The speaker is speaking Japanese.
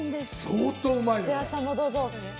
相当うまいよ。